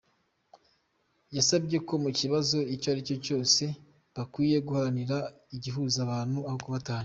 Yabasabye ko mu kibazo icyo ari cyo cyose bakwiye guharanira igihuza abantu aho kubatanya.